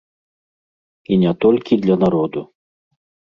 І не толькі для народу.